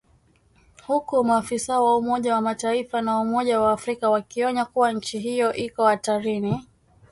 huku maafisa wa Umoja wa Mataifa na Umoja wa Afrika wakionya kuwa nchi hiyo iko hatarini